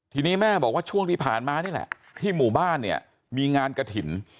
ทีนี้แม่บอกว่าช่วงที่ผ่านมานี่แหละที่หมู่บ้านเนี่ยมีงานกระถิ่น